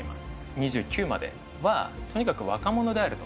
２９まではとにかく若者であると。